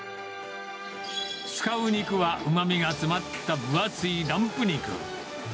使う肉は、うまみが詰まった分厚いランプ肉。